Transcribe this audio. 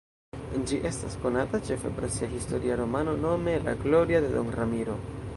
Ĝi estas konata ĉefe pro sia historia romano nome "La gloria de don Ramiro".